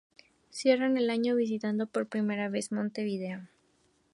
Cierran el año visitando por primera vez Montevideo.